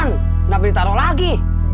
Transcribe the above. nggak beli taruh lagi